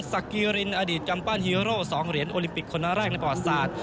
สักกีรินอดีตกำปั้นฮีโร่๒เหรียญโอลิมปิกคนแรกในประวัติศาสตร์